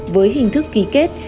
với hình thức ký kết